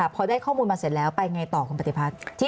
พอได้ข้อมูลมาเสร็จแล้วไปไงต่อคุณปฏิพัฒน์